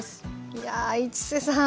いやあ市瀬さん。